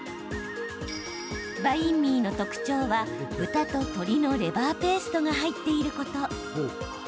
バインミーの特徴は、豚と鶏のレバーペーストが入っていること。